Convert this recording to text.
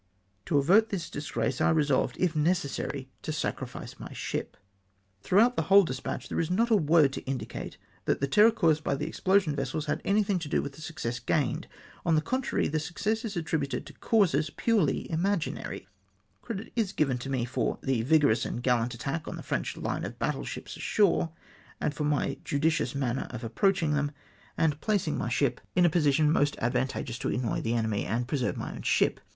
To avert this dis grace, I resolved, if necessary, to sacrifice my ship. Throughout the whole despatch, there is not a word to indicate that the terror caused by the explosion vessels had anything to do with the success gained. On the contrary, the success is attributed to causes purely imaginary. Great credit is given to me " for the vigorous and gallant attack on the French line of battle ships ashore," and for " my judicious manner of approaching them, and placing my ship in a position MISPLACED TRAISE. ' 425 most advantageous to annoy the enemy, and preserve my own ship